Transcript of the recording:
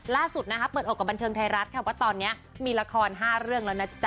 ล่าสุดเปิดบันเทิงท้ายรัฐก็ตอนนี้มีละคร๕เรื่องแล้วนะจ๊ะ